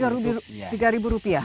rp tiga per kakak per bulan